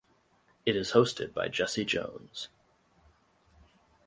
It is hosted by Jesse Jones.